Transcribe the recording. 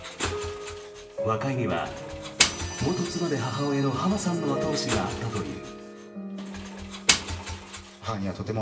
和解には元妻で母親の浜さんの後押しがあったという。